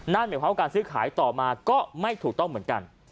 นั่นเหมือนกับการซื้อขายต่อมาก็ไม่ถูกต้องเหมือนกัน